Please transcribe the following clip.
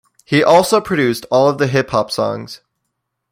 He also produced all of the hip hop songs.